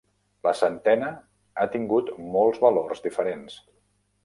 La centena ha tingut molts valors diferents.